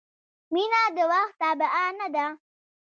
• مینه د وخت تابع نه ده.